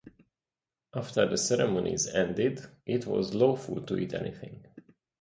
After the ceremonies ended, it was lawful to eat anything.